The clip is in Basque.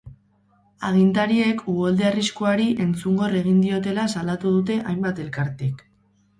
Agintariek uholde arriskuari entzungor egin diotela salatu dute hainbat elkartek.